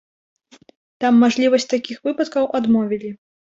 Там мажлівасць такіх выпадкаў адмовілі.